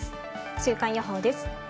週間予報です。